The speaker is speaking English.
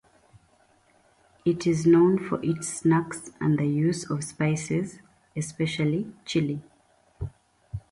It is known for its snacks and the use of spices, especially chili.